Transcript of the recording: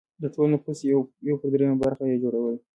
د ټول نفوس یو پر درېیمه برخه یې جوړوله.